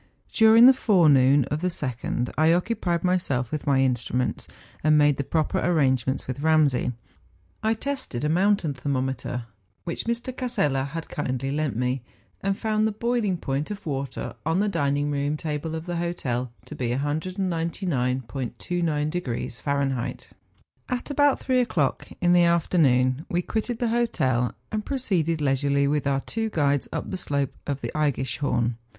During the forenoon of the 2nd, I occupied myself with my instruments, and made the proper arrange¬ ments with Ramsay. I tested a mountain thermo¬ meter which Mr. Casella had kindly lent me, and found the boiling point of water on the dining room table of the hotel to be 199°*29 Fahrenheit. At about three o'clock in the afternoon, we quitted the hotel, and proceeded leisurely with our two guides up the slope of the Eggischhorn.